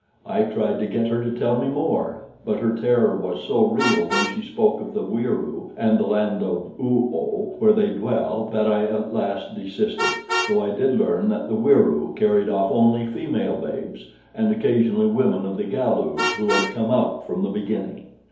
I tried to get her to tell me more; but her terror was so real when she spoke of the Wieroo and the land of Oo oh where they dwell that I at last desisted, though I did learn that the Wieroo carried off only female babes and occasionally women of the Galus who had "come up from the beginning."